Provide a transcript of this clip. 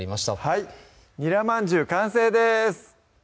はい「ニラまんじゅう」完成です